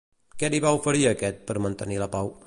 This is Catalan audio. Què li va oferir aquest per mantenir la pau?